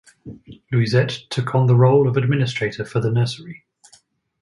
Louisette took on the role of administrator for the nursery.